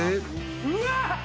うわっ！